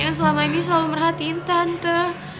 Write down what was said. dan yang selama ini selalu merhatiin tante